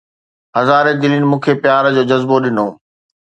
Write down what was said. هزارين دلين مون کي پيار جو جذبو ڏنو